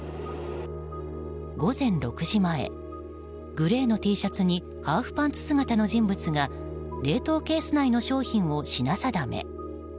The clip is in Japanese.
午前６時前、グレーのＴシャツにハーフパンツ姿の人物が冷凍ケース内の商品を品定め。